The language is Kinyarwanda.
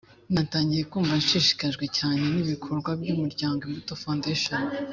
natangiye kumva nshishikajwe cyane n’ibikorwa by’Umuryango Imbuto Foundation